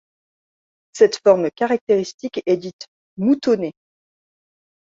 Cette forme caractéristique est dite moutonnée.